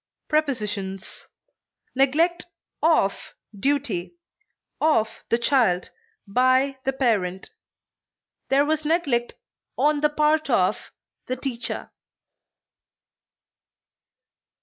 Prepositions: Neglect of duty, of the child by the parent; there was neglect on the part of the teacher.